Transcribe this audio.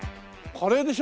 カレーでしょ？